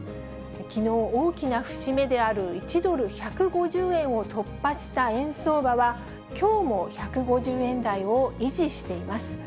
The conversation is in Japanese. きのう、大きな節目である１ドル１５０円を突破した円相場は、きょうも１５０円台を維持しています。